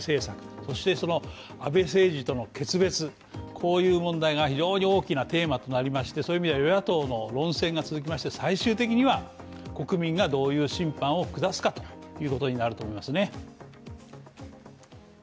そしてその安倍政治との決別、こういう問題が非常に大きなテーマとなりましてそういう意味では与野党の論戦が続きまして最終的には国民がどういう審判を下すかということになると思いますね。